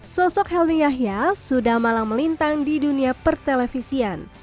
sosok helmi yahya sudah malang melintang di dunia pertelevisian